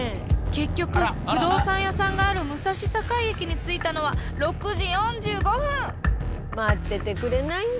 結局不動産屋さんがある武蔵境駅に着いたのは待っててくれないんだ。